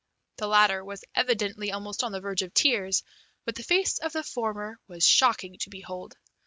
The latter was evidently almost on the verge of tears, but the face of the former was shocking to behold.